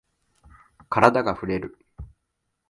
カラダがふれる。